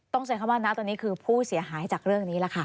ต้องเสียคำว่านะตอนนี้คือผู้เสียหายจากเรื่องนี้แล้วค่ะ